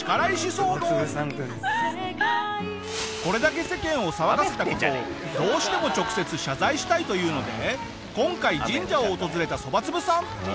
これだけ世間を騒がせた事をどうしても直接謝罪したいというので今回神社を訪れたそばつぶさん。